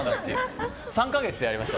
３か月やりました。